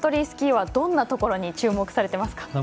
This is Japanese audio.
スキーはどんなところに注目されてますか。